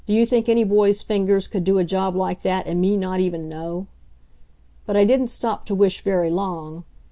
Do you think any boy's fingers could do a job like that and me not even know? But I didn't stop to wish very long.